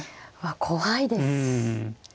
怖いです。